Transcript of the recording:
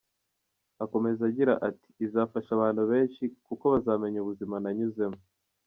Akomeza agira ati “Izafasha abantu benshi, kuko bazamenya ubuzima nanyuzemo.